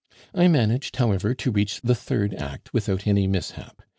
I managed, however, to reach the third act without any mishap.